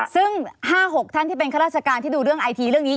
ซึ่ง๕๖ท่านที่เป็นข้าราชการที่ดูเรื่องไอทีเรื่องนี้